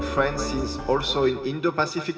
perancis juga di negara indo pasifik